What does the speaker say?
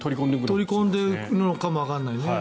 取り込んでるのかもわからないね。